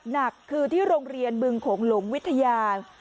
หนักคือที่โรงเรียนบึงโขงหลุมวิทยา